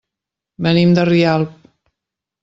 Venim de Rialp.